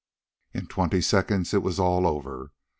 In twenty seconds it was all over.